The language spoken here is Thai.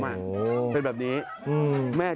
มันก็พูดอย่างงี้แหละ